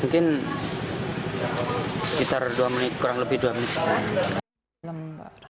mungkin sekitar dua menit kurang lebih dua menit